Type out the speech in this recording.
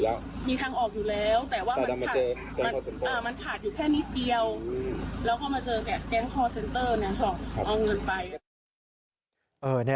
แล้วก็มาเจอแก๊งคอร์เซ็นเตอร์ขอเอาเงินไป